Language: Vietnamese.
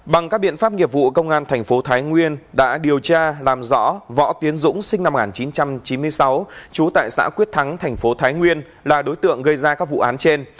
bằng các biện pháp nghiệp vụ công an thành phố thái nguyên đã điều tra làm rõ võ tiến dũng sinh năm một nghìn chín trăm chín mươi sáu trú tại xã quyết thắng thành phố thái nguyên là đối tượng gây ra các vụ án trên